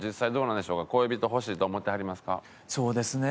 そうですね。